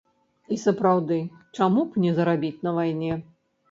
І сапраўды, чаму б не зарабіць на вайне?